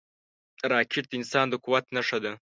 راکټ د انسان د قوت نښه ده